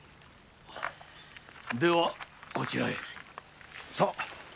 ではこちらへ。